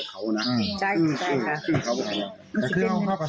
ต่อจากสุวรรณภูมิมา